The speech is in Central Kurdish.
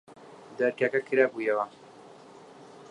دەرکەکە کرابوویەوە.